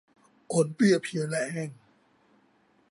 อ่อนเปลี้ยเพลียแรง